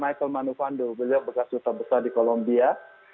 michael manufando beliau bekas duta besar di kolombia